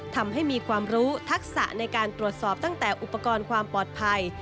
ทำให้มีความรู้ทักษะในการตรวจสอบตั้งแต่อุปกรณ์ความปลอดภัย